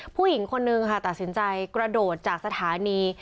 ผู้หญิงคนนึงค่ะตัดสินใจกระโดดจากสถานี